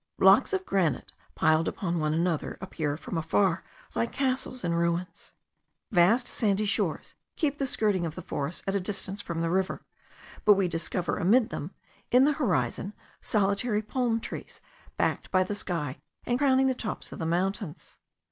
Blocks of granite, piled upon one another, appear from afar like castles in ruins. Vast sandy shores keep the skirting of the forest at a distance from the river; but we discover amid them, in the horizon, solitary palm trees, backed by the sky, and crowning the tops of the mountains.